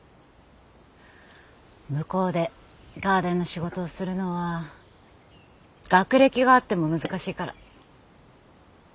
向こうでガーデンの仕事をするのは学歴があっても難しいから。